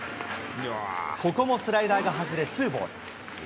ここもスライダーが外れ、ツーボール。